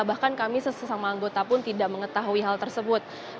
bahkan kami sesama anggota pun tidak mengetahui hal tersebut